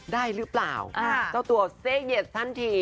ได้หรือเปล่าเจ้าตัวเซ็ดทันที